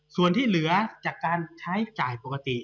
ส่วนที่เหลือจากการใช้จ่ายปกติ